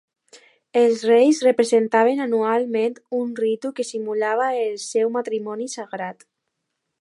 Els reis representaven anualment un ritu que simulava el seu matrimoni sagrat.